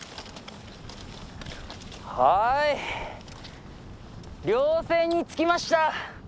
はい稜線に着きました。